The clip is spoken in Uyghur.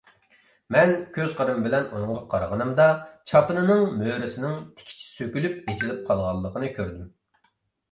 مەن كۆز قىرىم بىلەن ئۇنىڭغا قارىغىنىمدا، چاپىنىنىڭ مۈرىسىنىڭ تىكىچى سۆكۈلۈپ ئېچىلىپ قالغانلىقىنى كۆردۈم.